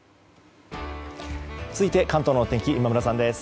続いて関東の天気今村さんです。